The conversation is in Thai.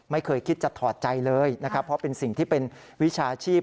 ไม่เคยคิดจะถอดใจเลยนะครับเพราะเป็นสิ่งที่เป็นวิชาชีพ